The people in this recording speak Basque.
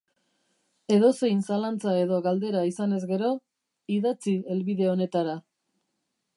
Edozein zalantza edo galdera izanez gero, idatzi helbide honetara.